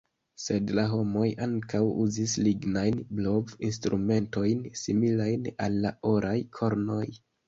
Sed la homoj ankaŭ uzis lignajn blov-instrumentojn similajn al la oraj kornoj.